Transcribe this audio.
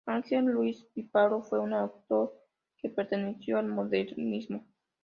Ángel Ruiz y Pablo fue un autor que perteneció al modernismo.